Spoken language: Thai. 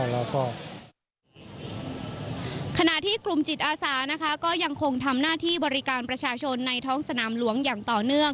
ขณะที่กลุ่มจิตอาสานะคะก็ยังคงทำหน้าที่บริการประชาชนในท้องสนามหลวงอย่างต่อเนื่อง